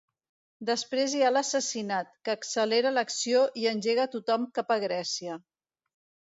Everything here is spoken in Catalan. Després hi ha l'assassinat, que accelera l'acció i engega tothom cap a Grècia.